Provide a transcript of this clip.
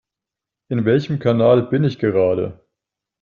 In welchem Kanal bin ich gerade?